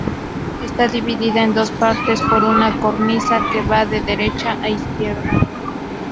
Está dividida en dos partes por una cornisa que va de derecha a izquierda.